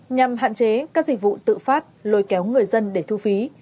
nhằm hạn chế các dịch vụ tự phát lôi kéo người dân để thu phí